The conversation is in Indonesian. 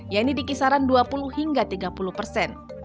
yaitu dikisaran dua puluh hingga tiga puluh persen